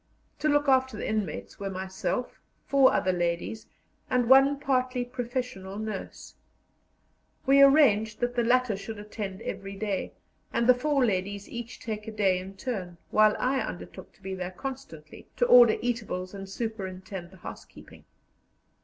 To look after the inmates were myself, four other ladies, and one partly professional nurse. We arranged that the latter should attend every day, and the four ladies each take a day in turn, while I undertook to be there constantly to order eatables and superintend the housekeeping.